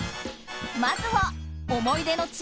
まずは思い出の地